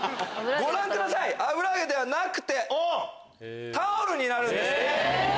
ご覧ください油揚げではなくてタオルになるんですね。